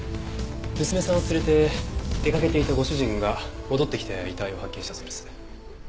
娘さんを連れて出かけていたご主人が戻ってきて遺体を発見したそうです。